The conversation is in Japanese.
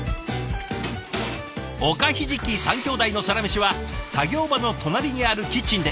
おかひじき３兄弟のサラメシは作業場の隣にあるキッチンで。